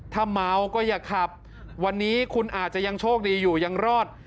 ถ้าเมาก็อย่าขับวันนี้คุณอาจจะยังโชคดีอยู่ยังรอด